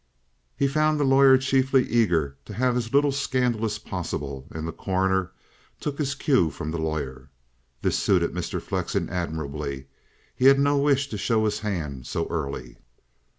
He found the lawyer chiefly eager to have as little scandal as possible, and the Coroner took his cue from the lawyer. This suited Mr. Flexen admirably. He had no wish to show his hand so early.